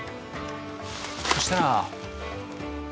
そしたら。